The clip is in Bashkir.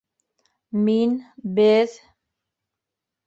Мин, беҙ...